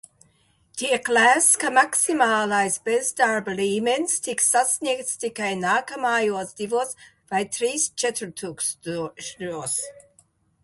Tiek lēsts, ka maksimālais bezdarba līmenis tiks sasniegts tikai nākamajos divos vai trīs ceturkšņos.